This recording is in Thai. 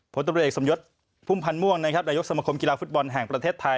พตเอกสำยศพุ่มพันธ์ม่วงระยกสมคมกีฬาฟุตบอลแห่งประเทศไทย